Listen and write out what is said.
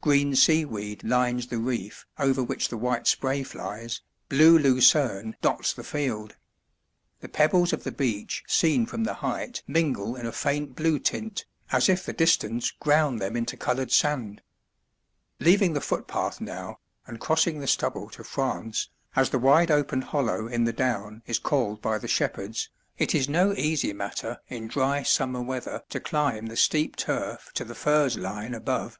Green seaweed lines the reef over which the white spray flies, blue lucerne dots the field. The pebbles of the beach seen from the height mingle in a faint blue tint, as if the distance ground them into coloured sand. Leaving the footpath now, and crossing the stubble to "France," as the wide open hollow in the down is called by the shepherds, it is no easy matter in dry summer weather to climb the steep turf to the furze line above.